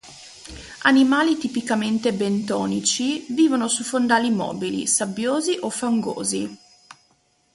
Animali tipicamente bentonici, vivono su fondali mobili, sabbiosi o fangosi.